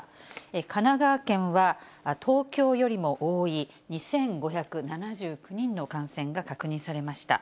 神奈川県は東京よりも多い、２５７９人の感染が確認されました。